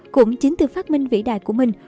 cũng chính từ phát minh vĩ đại của mình